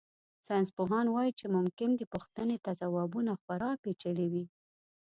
ساینسپوهان وایي چې ممکن دې پوښتنې ته ځوابونه خورا پېچلي وي.